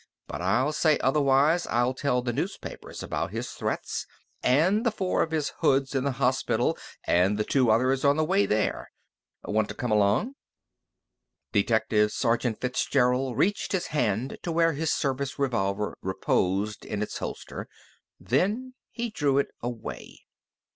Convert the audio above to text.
But I'll say otherwise I'll tell the newspapers about his threats and the four of his hoods in the hospital and the two others on the way there. Want to come along?" Detective Sergeant Fitzgerald reached his hand to where his service revolver reposed in its holster. Then he drew it away.